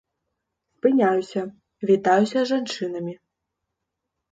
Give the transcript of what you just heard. Спыняюся, вітаюся з жанчынамі.